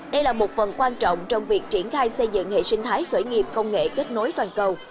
đây là một phần quan trọng trong việc triển khai xây dựng hệ sinh thái khởi nghiệp công nghệ kết nối toàn cầu